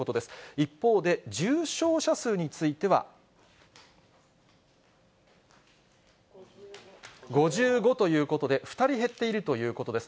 一方で、重症者数については、５５ということで、２人減っているということです。